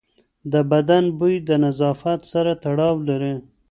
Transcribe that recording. د بدن بوی د نظافت سره تړاو لري.